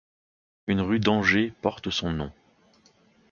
Une rue d'Angers porte son nom.